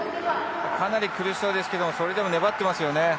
かなり苦しそうですけれども、粘っていますね。